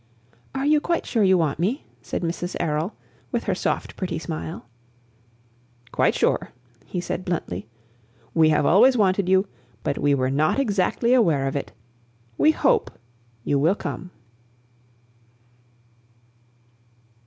"Are you quite sure you want me?" said Mrs. Errol, with her soft, pretty smile. "Quite sure," he said bluntly. "We have always wanted you, but we were not exactly aware of it. We hope you will come."